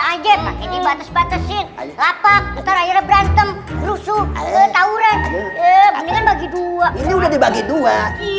aja ini batas batasin lapak tarah berantem rusuh tawuran bagi dua ini udah dibagi dua